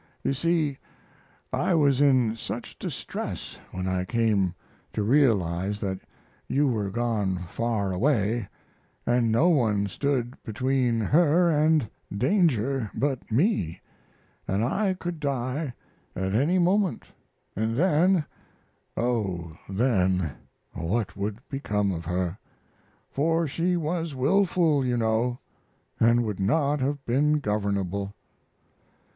You see, I was in such distress when I came to realize that you were gone far away & no one stood between her & danger but me & I could die at any moment, & then oh then what would become of her! For she was wilful, you know, & would not have been governable.